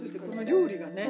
料理がね。